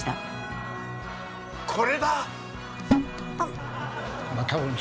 これだ！